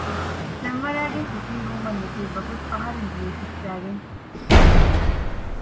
ފެންވަރައިގެން ސިޓިންގ ރޫމަށް ނިކުތް ވަގުތު އަހަރެން ދިޔައީ ސިއްސައިގެން